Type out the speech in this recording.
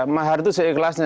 mahar itu seikhlasnya